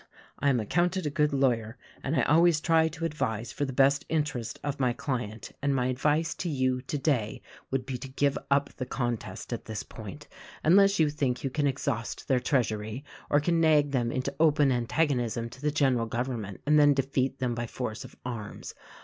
I am accounted a good lawyer, and I always try to advise for the best interest of my ii4 THE RECORDING ANGEL client, and my advice to you, today would be to give up the contest at this point — unless you think you can exhaust their treasury or can nag them into open antagonism to the general government, and then defeat them by force of arms.